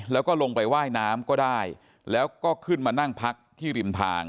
แล้วก็ลงไปว่ายน้ำก็ได้แล้วก็ขึ้นมานั่งพักที่ริมทาง